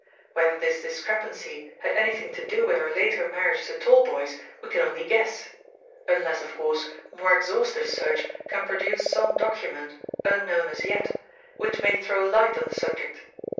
Whether this discrepancy had anything to do with her later marriage to Talboys we can only guess unless of course more exhaustive search can produce some document, unknown as yet, which may throw light on the subject.